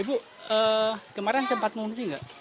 ibu kemarin sempat mengungsi nggak